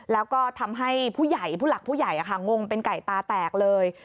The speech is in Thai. แล้วก็ทำให้ผู้ใหญ่ผู้หลักผู้ใหญ่งงเป็นไก่ตาแตกเลย